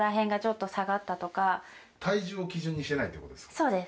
そうです。